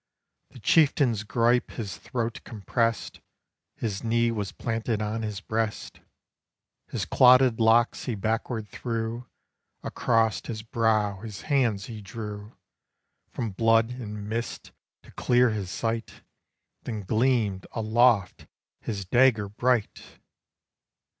The Chieftain's gripe his throat compressed, His knee was planted on his breast; His clotted locks he backward threw, Across his brow his hand he drew, From blood and mist to clear his sight, Then gleamed aloft his dagger bright!